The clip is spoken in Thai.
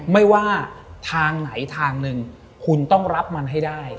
ไม่ว่าทางไหนทางหนึ่งคุณต้องรับมันให้ได้